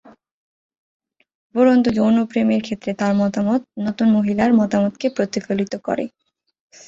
উপরন্তু, যৌন প্রেমের ক্ষেত্রে তার মতামত নতুন মহিলার মতামতকে প্রতিফলিত করে।